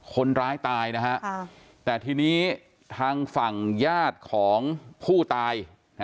คนร้ายตายนะฮะแต่ทีนี้ทางฝั่งญาติของผู้ตาย